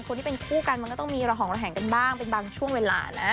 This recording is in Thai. คนที่เป็นคู่กันมันก็ต้องมีระห่องระแหงกันบ้างเป็นบางช่วงเวลานะ